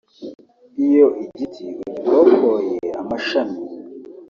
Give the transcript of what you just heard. Iyo igiti ugikokoye amashami